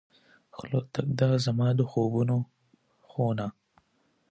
خلوتکده، زما د خوبونو خونه